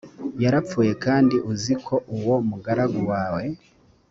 yarapfuye kandi uzi ko uwo mugaragu wawe